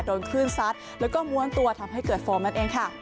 โดนคลื่นซัดแล้วก็ม้วนตัวทำให้เกิดโฟมนั่นเองค่ะ